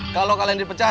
kalau kalian dipecat